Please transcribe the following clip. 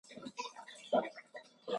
سوالګر د ژوند پر حقیقت پوهېږي